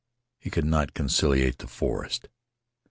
He could not conciliate the forest.